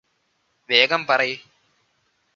വേഗം പറയ്